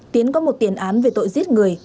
tiến có một tiền án về tội giết người